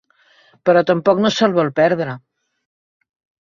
Però tampoc no se'l vol perdre.